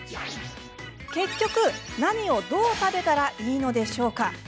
結局、何をどう食べたらいいのでしょうか。